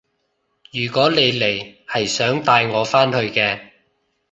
如果你嚟係想帶我返去嘅